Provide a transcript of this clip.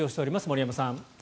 森山さん。